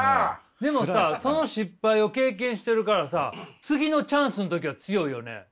でもさその失敗を経験してるからさ次のチャンスの時は強いよね。